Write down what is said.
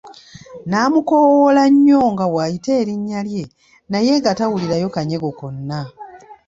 N'amukoowoola nnyo nga bw'ayita erinnya lye naye nga tawulirayo kanyego konna.